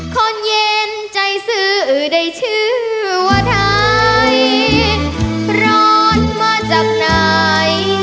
คนเย็นใจซื้อได้ชื่อว่าไทยรอดมาจากไหน